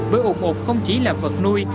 với unut không chỉ là vật nuôi